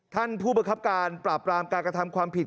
ท่านผู้ประคับการปราบรามการกระทำความผิด